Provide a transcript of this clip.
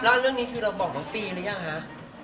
แล้วเรื่องนี้คือเราบอกมาปีหรือยังคะ